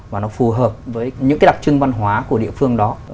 và nó phù hợp với những cái đặc trưng văn hóa của địa phương đó